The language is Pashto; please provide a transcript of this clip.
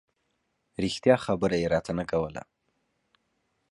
رښتیا خبره یې راته نه کوله.